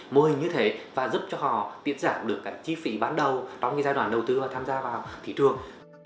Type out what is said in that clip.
mô hình như thế và giúp cho họ tiện giảm được cả chi phí bán đầu trong cái giai đoạn đầu tư và tham gia vào thị trường